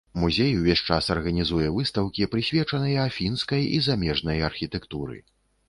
Музей увесь час арганізуе выстаўкі, прысвечаныя фінскай і замежнай архітэктуры.